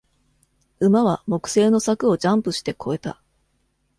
馬は木製の柵をジャンプして越えた。